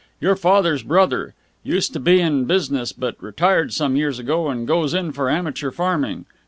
"Your father's brother. Used to be in business, but retired some years ago and goes in for amateur farming.